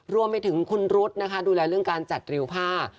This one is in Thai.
รวมไปถึงคุณรุ๊ดนะคะดูแลเรื่องการจัดริวผ้า